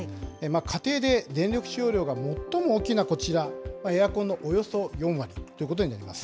家庭で電力使用量が最も大きいのはこちら、エアコンのおよそ４割ということになります。